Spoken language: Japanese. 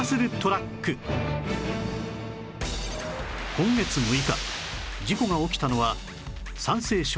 今月６日事故が起きたのは山西省運